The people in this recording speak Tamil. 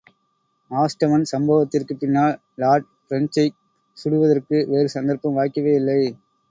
ஆஷ்டவுன் சம்பவத்திற்குப் பின்னால் லார்ட் பிரெஞ்சைச் சுடுவதற்கு வேறு சந்தர்ப்பம் வாய்க்கவே இல்லை.